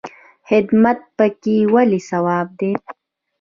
خدمت پکې ولې ثواب دی؟